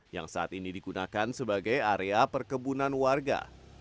yang saat ini digunakan sebagai area perkebunan warga